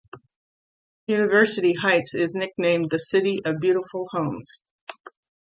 University Heights is nicknamed the City of Beautiful Homes.